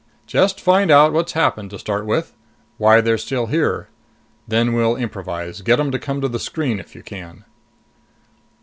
"Just find out what's happened, to start with. Why they're still here. Then we'll improvise. Get them to come to the screen if you can."